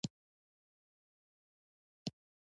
د هیواد نه باندې ستونځو ته واړوي